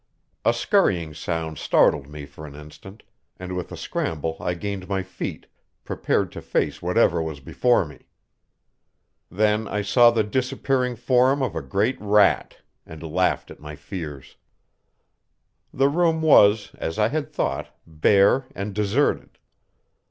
A scurrying sound startled me for an instant, and with a scramble I gained my feet, prepared to face whatever was before me. Then I saw the disappearing form of a great rat, and laughed at my fears. The room was, as I had thought, bare and deserted.